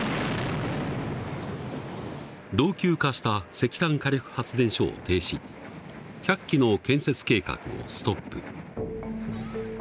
老朽化した石炭火力発電所を停止１００基の建設計画をストップ。